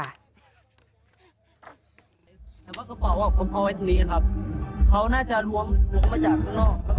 แต่ว่าเขาบอกว่าผมเอาไว้ตรงนี้ครับเขาน่าจะรวมลงมาจากข้างนอกครับ